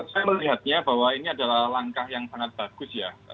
saya melihatnya bahwa ini adalah langkah yang sangat bagus ya